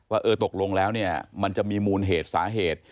ว่าตกลงแล้วมันจะมีมูลเหตุสาเหตุ